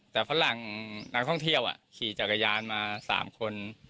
แต่ฝรั่งนักท่องเที่ยวขี่จักรยานมา๓คน